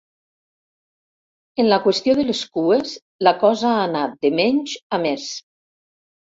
En la qüestió de les cues, la cosa ha anat de menys a més.